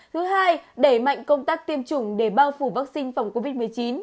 thứ hai đẩy mạnh công tác tiêm chủng để bao phủ vaccine phòng covid một mươi chín